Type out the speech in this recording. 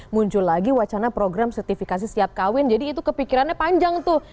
muncul lagi wacana program sertifikasi siap kawin jadi itu kepikirannya panjang tuh